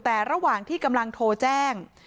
แต่ระหว่างที่กำลังโทรแจ้ง